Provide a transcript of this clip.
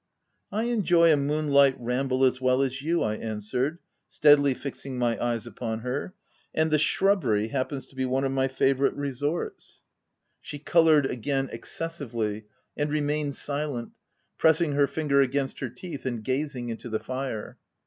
" I enjoy a moonlight ramble as well as you, ,, I answered, steadily fixing my eyes upon her : u and the shrubbery happens to be one of my favourite resorts." 310 THE TENANT She coloured again, excessively, and re mained silent, pressing her finger against her teeth, and gazing into the fire.